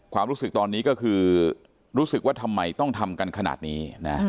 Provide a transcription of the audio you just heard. ความรู้สึกตอนนี้ก็คือรู้สึกว่าทำไมต้องทำกันขนาดนี้นะ